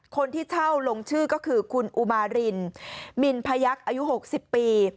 คนที่เช่าลงชื่อก็คือคุณอุมารินมินพยักษ์อายุ๖๐ปี